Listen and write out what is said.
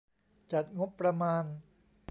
จัดงบประมาณ